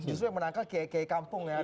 justru yang menangkap kk kampung ya